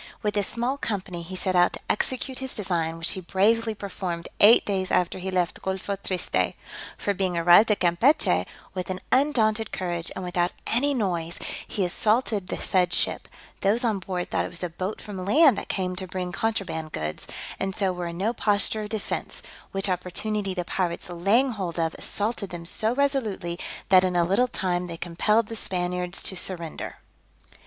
With this small company he set out to execute his design, which he bravely performed eight days after he left Golpho Triste; for being arrived at Campechy, with an undaunted courage, and without any noise, he assaulted the said ship: those on board thought it was a boat from land that came to bring contraband goods, and so were in no posture of defence; which opportunity the pirates laying hold of, assaulted them so resolutely, that in a little time they compelled the Spaniards to surrender.